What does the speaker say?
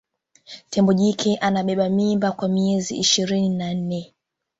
tembo jike anabeba mimba kwa miezi ishirini na nne